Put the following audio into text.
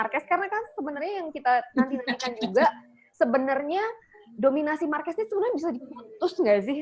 karena kan sebenarnya yang kita nantikan juga sebenarnya dominasi marques ini sebenarnya bisa diputus gak sih